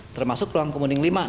termasuk ruang kemudian lima